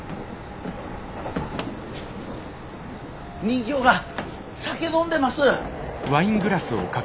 人形が酒飲んでます！